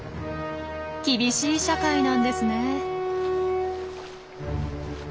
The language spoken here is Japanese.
厳しい社会なんですね。